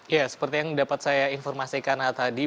ya seperti yang dapat saya informasikan tadi